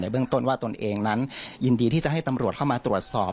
เบื้องต้นว่าตนเองนั้นยินดีที่จะให้ตำรวจเข้ามาตรวจสอบ